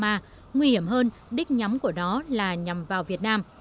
nguy hiểm hơn đích nhắm của nó là nhằm vào việt nam